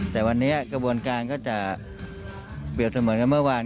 แต่วันนี้กระบวนการก็จะเปรียบเสมือนกันเมื่อวาน